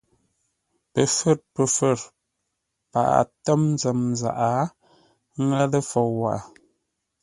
Pəfə̌r pəfə̌r, paghʼə tə́m nzəm zaghʼə ńŋə́ lə fou lâʼ waghʼə.